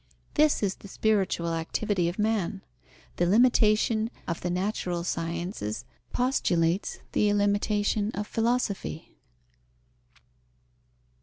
This is the spiritual activity of man. The limitation of the natural sciences postulates the illimitation of philosophy.